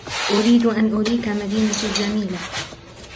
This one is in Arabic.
أريد أن أريك مدينتي الجميلة.